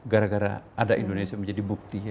gara gara ada indonesia menjadi bukti